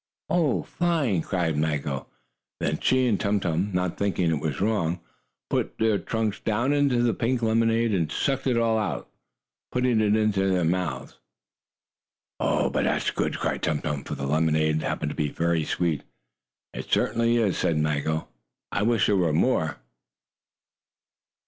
"Oh, fine!" cried Maggo. Then she and Tum Tum, not thinking it was wrong, put their trunks down in the pink lemonade, and sucked it all out, putting it into their mouths. "Oh, but that's good!" cried Tum Tum, for the lemonade happened to be very sweet. "It certainly is," said Maggo. "I wish there were more."